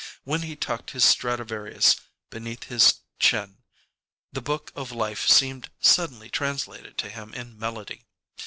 When he tucked his Stradivarius beneath his chin the book of life seemed suddenly translated to him in melody.